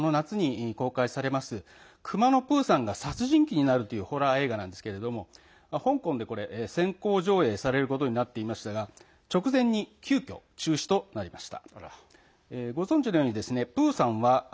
日本では、この夏に公開されます「くまのプーさん」が殺人鬼になるというホラー映画なんですけれども香港で選考上映されることになっていましたが直前に急きょ中止になりました。